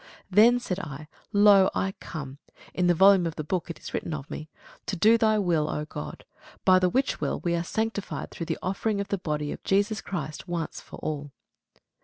Then said I, Lo, I come (in the volume of the book it is written of me,) to do thy will, O God. By the which will we are sanctified through the offering of the body of Jesus Christ once for all.